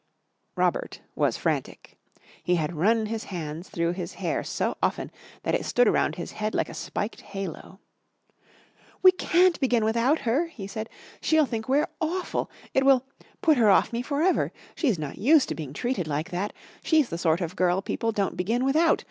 Robert was frantic. He had run his hands through his hair so often that it stood around his head like a spiked halo. "We can't begin without her," he said. "She'll think we're awful. It will put her off me for ever. She's not used to being treated like that. She's the sort of girl people don't begin without.